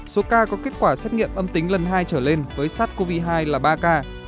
số ca có kết quả xét nghiệm âm tính lần hai trở lên với sars cov hai là ba ca